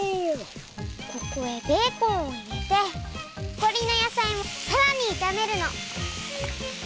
ここへベーコンをいれてのこりの野菜もさらにいためるの。